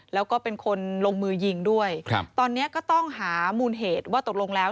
แล้วก็เป็นคนลงมือยิงด้วยครับตอนนี้ก็ต้องหามูลเหตุว่าตกลงแล้ว